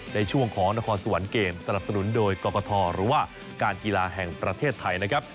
ในช่วงของนครสวรรค์เกมสนับสนุนโดยกรกฐหรือว่าการกีฬาแห่งประเทศไทยนะครับ